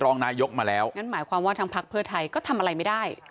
งั้นหมายความว่าทางพักเพื่อไทยก็ทำอะไรไม่ได้